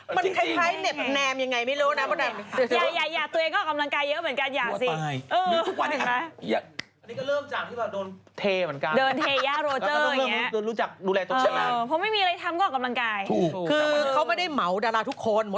มันคล้ายแนบยังไงไม่รู้นะ